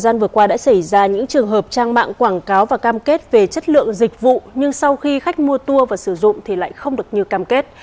thời gian vừa qua đã xảy ra những trường hợp trang mạng quảng cáo và cam kết về chất lượng dịch vụ nhưng sau khi khách mua tour và sử dụng thì lại không được như cam kết